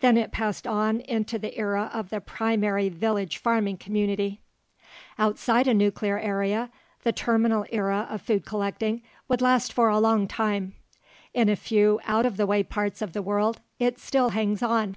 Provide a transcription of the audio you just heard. Then it passed on into the era of the primary village farming community. Outside a nuclear area, the terminal era of food collecting would last for a long time; in a few out of the way parts of the world, it still hangs on.